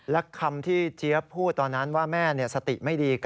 และคำที่เจี๊ยบพูดตอนนั้นว่าแม่สติไม่ดี